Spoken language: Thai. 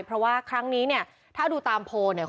เพราะว่าครั้งนี้เนี่ยถ้าดูตามโพลเนี่ย